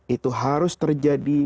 itu harus terjadi